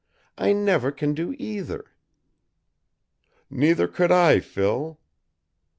I never can do either." "Neither could I, Phil."